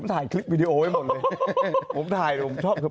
ผมถ่ายคลิปวิดีโอให้หมดเลย